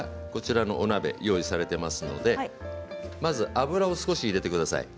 お鍋が用意されていますので油を少し入れてください。